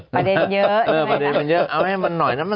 ประเด็นเยอะประเด็นมันเยอะเอาให้มันหน่อยนะ